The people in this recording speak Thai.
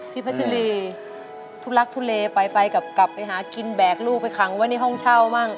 พี่พระอาชีลี่ทุทลักษณ์ทุเลไปกลับไปหากินแบกลูกไปคังไว้ในห้องเช่าบ้าง